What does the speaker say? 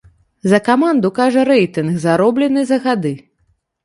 За каманду кажа рэйтынг, зароблены за гады.